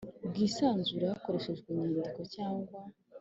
bwisanzure hakoreshejwe inyandiko cyangwa